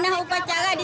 baru pertama kali